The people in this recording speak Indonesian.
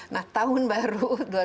nah tahun baru dua ribu dua puluh